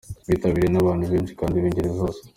byitabiriwe n’abantu benshi kandi b’ingeri zose.